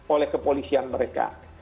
oleh kepolisian mereka